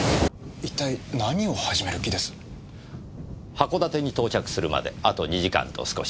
函館に到着するまであと２時間と少し。